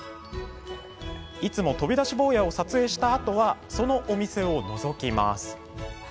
いつも飛び出し坊やを撮影したあとはそのお店をのぞきます。